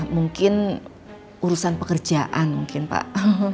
mungkin urusan pekerjaan mungkin pak